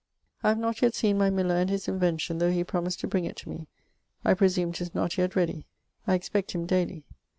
I have not yet seen my miller and his invention, though he promised to bring it to me; I presume 'tis not yet ready. I expect him dayly.